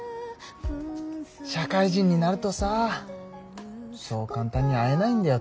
社会人になるとさそう簡単に会えないんだよ